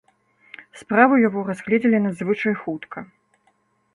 Справу яго разгледзелі надзвычай хутка.